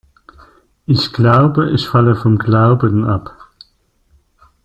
Ich glaube, ich falle vom Glauben ab.